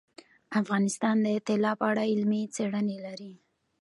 افغانستان د طلا په اړه علمي څېړنې لري.